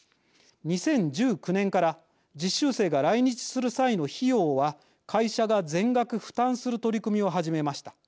２０１９年から実習生が来日する際の費用は会社が全額負担する取り組みを始めました。